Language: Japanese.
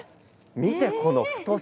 見て、この太さ。